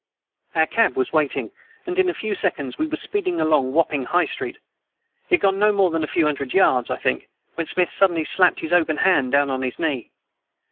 Our cab was waiting, and in a few seconds we were speeding along Wapping High Street. We had gone no more than a few hundred yards, I think, when Smith suddenly slapped his open hand down on his knee.